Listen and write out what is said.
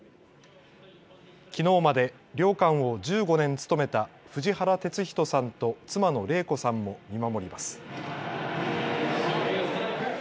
きのうまで寮監を１５年務めた藤原哲人さんと妻の礼子さんも見守ります。